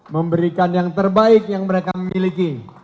memberikan yang terbaik yang mereka miliki